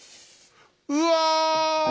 うわ！